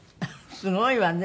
すごいわね。